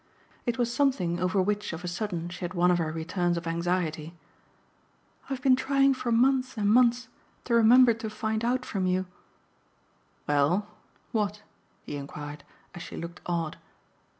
It was something over which of a sudden she had one of her returns of anxiety. "I've been trying for months and months to remember to find out from you " "Well, what?" he enquired, as she looked odd.